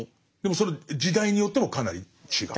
でもその時代によってもかなり違う？